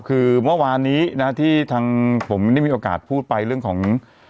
คือเมื่อวานนี้นะที่ทางผมได้มีโอกาสพูดไปเรื่องของ